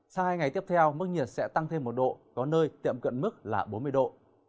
sau hai ngày tiếp theo mức nhiệt sẽ tăng thêm một độ có nơi tiệm cận mức là bốn mươi độ